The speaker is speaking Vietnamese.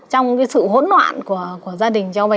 trong cái sự hỗn loạn của gia đình cháu bé